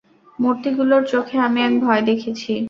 মূর্তিগুলোর চোখে আমি এক ভয় দেখেছি।